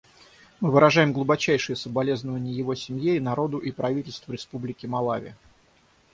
Мы выражаем глубочайшие соболезнования его семье и народу и правительству Республики Малави.